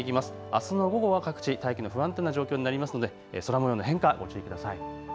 あすの午後は各地、大気の不安定な状況になりますので空もようの変化、ご注意ください。